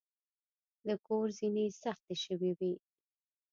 د کور زینې سختې شوې وې.